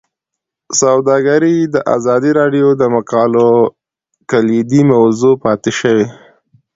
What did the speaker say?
سوداګري د ازادي راډیو د مقالو کلیدي موضوع پاتې شوی.